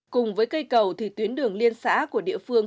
cùng với cây cầu thì tuyến đường liên xã của địa phương